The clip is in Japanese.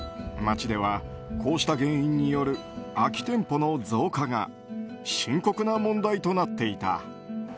町ではこうした原因による空き店舗の増加が深刻な問題となっていた。